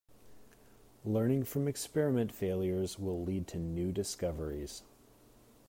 Learning from experiment failures will lead to new discoveries.